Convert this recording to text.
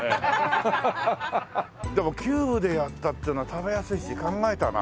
でもキューブでやったっていうのは食べやすいし考えたな。